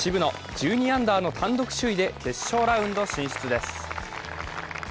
１２アンダーの単独首位で決勝ラウンド進出です。